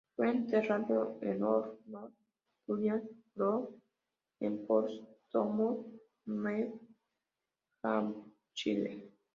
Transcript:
Fue enterrado en Old North Burial Ground en Portsmouth, New Hampshire.